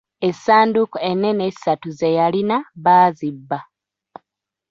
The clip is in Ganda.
Essanduuku ennene essatu ze yalina baazibba.